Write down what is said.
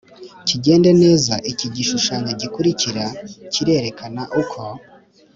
kigende neza. Iki gishushanyo gikurikira kirerekana uko